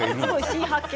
新発見。